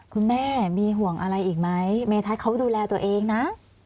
คุณแม่มีห่วงอะไรอีกไหมเมทัศน์เขาดูแลตัวเองนะ